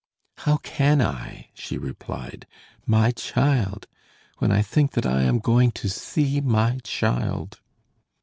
"How can I?" she replied. "My child! When I think that I am going to see my child."